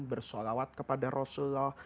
bersolawat kepada rasulullah